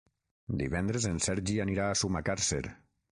Divendres en Sergi anirà a Sumacàrcer.